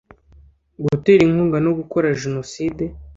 gutera inkunga no gukora Jenoside